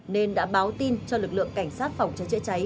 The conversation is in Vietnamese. nên đã báo tin cho lực lượng cảnh sát phòng trái trễ cháy